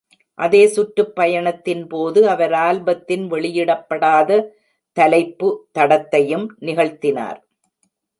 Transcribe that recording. அதே சுற்றுப்பயணத்தின் போது அவர் ஆல்பத்தின் வெளியிடப்படாத தலைப்பு-தடத்தையும் நிகழ்த்தினார்.